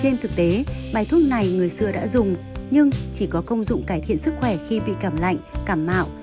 trên thực tế bài thuốc này người xưa đã dùng nhưng chỉ có công dụng cải thiện sức khỏe khi bị cảm lạnh cảm mạo